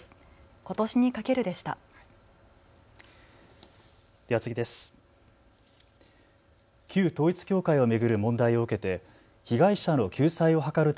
ことしにかけるでした。